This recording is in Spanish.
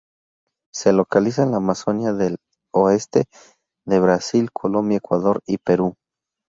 Se localiza en la Amazonía del oeste de Brasil, Colombia, Ecuador y Perú.